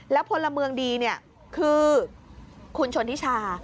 และพลเมืองดีคือคุณชนธิชา